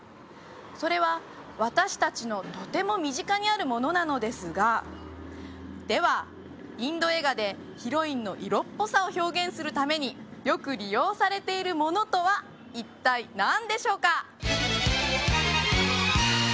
それは私達のとても身近にあるものなのですがではインド映画でヒロインの色っぽさを表現するためによく利用されているものとは一体何でしょうか？